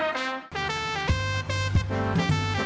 ว้าว